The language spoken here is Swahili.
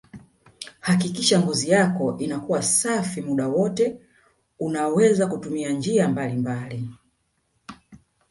Hakikisha ngozi yako inakuwa safi muda wote unaweza kutumia njia mbalimbali